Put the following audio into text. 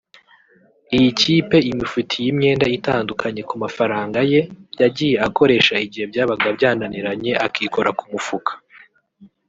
iyi kipe imufitiye imyenda itandukanye ku mafaranga ye yagiye akoresha igihe byabaga byananiranye akikora ku mufuka